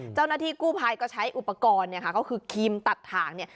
เจ้าหน้าที่กูภายก็ใช้อุปกรณ์คือครีมตัดถาง